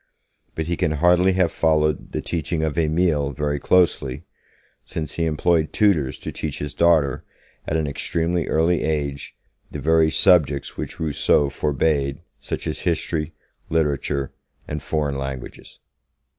But he can hardly have followed the teaching of 'Emile' very closely, since he employed tutors to teach his daughter, at an extremely early age, the very subjects which Rousseau forbade, such as history, literature and foreign languages.